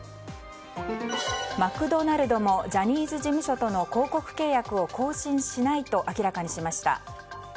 マクドナルドもジャニーズ事務所との広告契約を更新しないと明らかにしました。